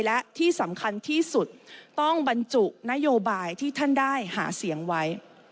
และที่สำคัญที่สุดต้องบรรจุนโยบายที่ท่านได้หาเสียงไว้